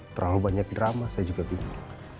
terlalu banyak drama saya juga bingung